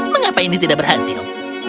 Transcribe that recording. mengapa ini tidak berhasil